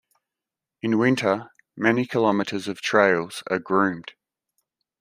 In winter, many kilometers of trails are groomed.